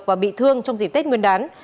và bị thương trong dịp tết nguyên đán